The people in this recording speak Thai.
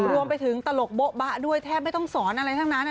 รวมไปถึงตลกโบ๊ะบะด้วยแทบไม่ต้องสอนอะไรทั้งนั้น